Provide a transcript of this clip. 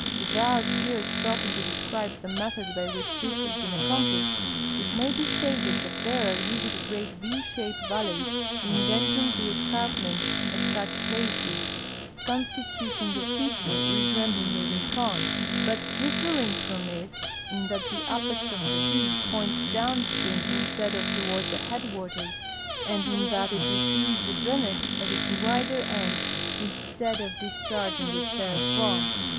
Without here stopping to describe the method by Avhich this has been accom])lished, it may l^e stated that there are usually great V shai)e valleys indenting the escarpment at such places, constituting a feature resembling a rincon, hut dif fering from it in that the apex of the V points doAvn stream instead of toAvard the lieadAvaters, and in that it receives the drainage at its Avider end instead of discharging it therefrom.